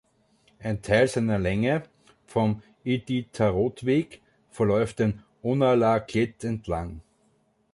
Ein Teil seiner Länge, vom Iditarod Weg, verläuft den Unalakleet entlang.